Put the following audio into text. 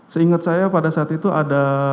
seingat saya pada saat itu ada